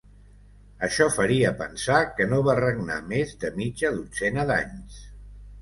Això faria pensar que no va regnar més de mitja dotzena d'anys.